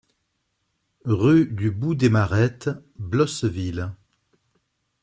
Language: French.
Rue du Bout des Marettes, Blosseville